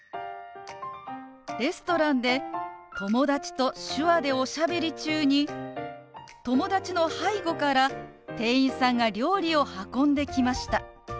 レストランで友達と手話でおしゃべり中に友達の背後から店員さんが料理を運んできました。